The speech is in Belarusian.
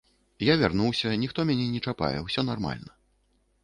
Я вярнуўся, ніхто мяне не чапае, усё нармальна.